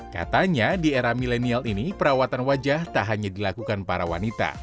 katanya di era milenial ini perawatan wajah tak hanya dilakukan para wanita